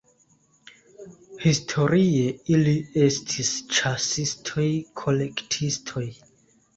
Historie ili estis ĉasistoj-kolektistoj.